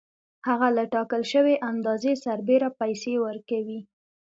هغه له ټاکل شوې اندازې سربېره پیسې ورکوي